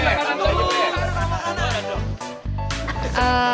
kamu ada kamu ada